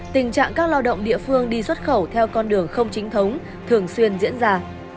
tình trạng các lao động địa phương đi xuất khẩu theo con đường không chính thống thường xuyên diễn ra